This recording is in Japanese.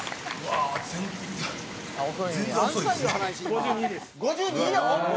「５２です」